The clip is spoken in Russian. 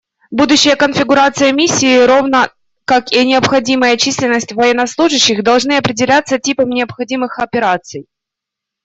Будущая конфигурация Миссии, равно как и необходимая численность военнослужащих, должны определяться типом необходимых операций.